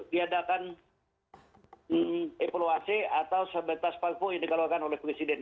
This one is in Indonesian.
diadakan evaluasi atau sebetas parkur yang dikeluarkan oleh presiden